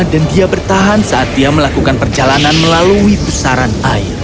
dan dia bertahan saat dia melakukan perjalanan melalui pusaran air